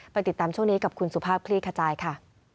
ติดตามช่วงนี้กับคุณสุภาพคลี่ขจายค่ะ